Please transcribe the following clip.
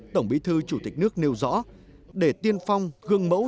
tổng bí thư chủ tịch nước nêu rõ để tiên phong gương mẫu